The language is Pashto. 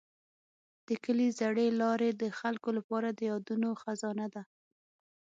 د کلي زړې لارې د خلکو لپاره د یادونو خزانه ده.